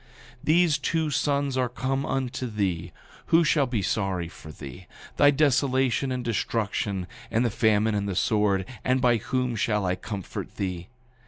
8:19 These two sons are come unto thee, who shall be sorry for thee—thy desolation and destruction, and the famine and the sword—and by whom shall I comfort thee?